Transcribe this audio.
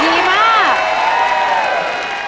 ดีมาก